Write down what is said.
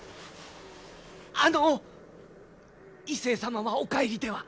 あの医生様はお帰りでは。